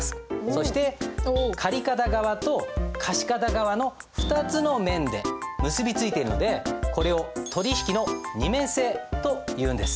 そして借方側と貸方側の２つの面で結び付いてるのでこれを取引の二面性というんです。